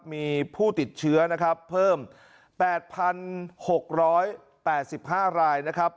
มีผู้ติดเชื้อนะครับเพิ่ม๘๖๘๕รายนะครับ